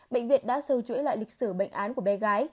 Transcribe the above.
bệnh viện đã sưu chuỗi lại lịch sử bệnh án của bé gái